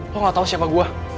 gue gak tau siapa gue